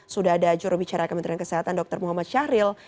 sudah ada jurubicara kementerian kesehatan dr muhammad syahril